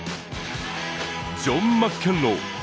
ジョン・マッケンロー。